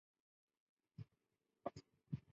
朱一龙